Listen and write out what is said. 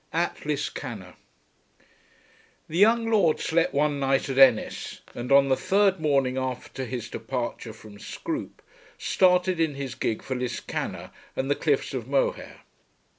AT LISCANNOR. The young lord slept one night at Ennis, and on the third morning after his departure from Scroope, started in his gig for Liscannor and the cliffs of Moher.